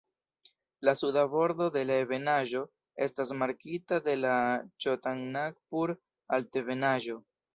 La suda bordo de la ebenaĵo estas markita de la Ĉotanagpur-Altebenaĵo.